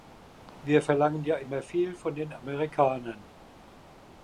Wir verlangen ja immer viel von den Amerikanern.